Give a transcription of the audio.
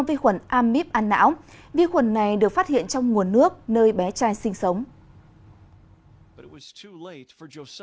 vi khuẩn amib an não vi khuẩn này được phát hiện trong nguồn nước nơi bé trai sinh sống